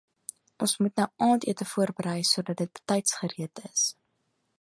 Ons moet nou aandete voorberei sodat dit betyds gereed is.